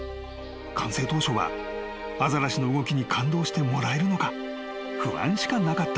［完成当初はアザラシの動きに感動してもらえるのか不安しかなかったという］